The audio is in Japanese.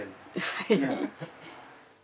はい。